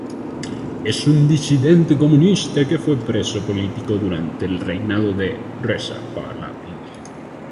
Es un disidente comunista que fue preso político durante el reinado de Reza Pahlavi.